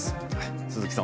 鈴木さん